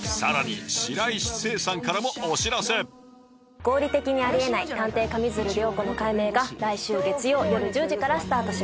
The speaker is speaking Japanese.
さらに「合理的にあり得ない探偵・上水流涼子の解明」が来週月曜夜１０時からスタートします。